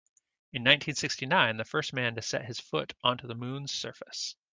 In nineteen-sixty-nine the first man set his foot onto the moon's surface.